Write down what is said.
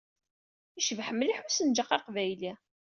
Yecbeḥ mliḥ usenǧaq aqbayli!